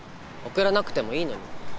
送らなくてもいいのに。